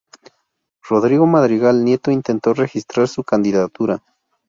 Rodrigo Madrigal Nieto intentó registrar su candidatura.